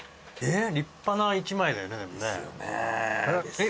立派な１枚だよねでもね。ですよね。